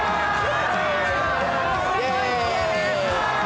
イェーイ！